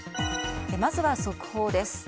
まずは速報です。